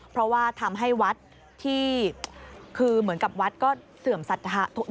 เพราะว่าทำให้วัดที่คือเหมือนกับวัดก็เสื่อมศรัทธา